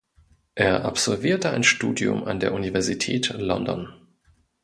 Er absolvierte ein Studium an der Universität London.